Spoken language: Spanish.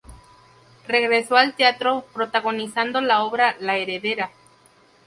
Regresó al teatro protagonizando la obra "La heredera".